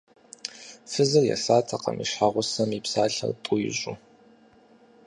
Фызыр есатэкъым и щхьэгъусэм и псалъэр тӏу ищӏу.